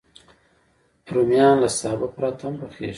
رومیان له سابه پرته هم پخېږي